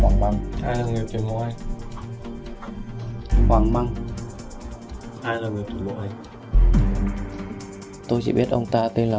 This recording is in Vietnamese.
hoàng măng ai là người tuyển mộng anh hoàng măng ai là người tuyển mộng anh tôi chỉ biết ông ta tên là